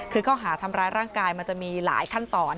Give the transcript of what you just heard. คือข้อหาทำร้ายร่างกายมันจะมีหลายขั้นตอน